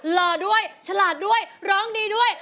หล่อด้วยฉลาดด้วยร้องดีด้วย